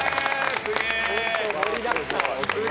すげえ。